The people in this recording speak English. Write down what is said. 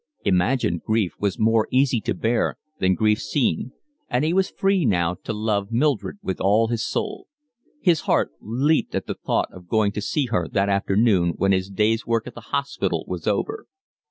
Imagined grief was more easy to bear than grief seen, and he was free now to love Mildred with all his soul. His heart leaped at the thought of going to see her that afternoon, when his day's work at the hospital was over.